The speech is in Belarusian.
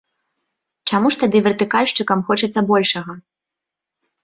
Чаму ж тады вертыкальшчыкам хочацца большага?